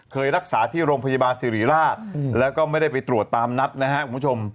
เคยรักษาที่โรงพยาบาลสิริราชแล้วก็ไม่ได้ไปตรวจตามนัดนะครับคุณผู้ชม